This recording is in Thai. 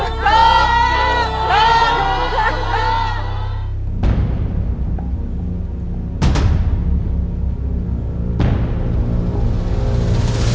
เยอะ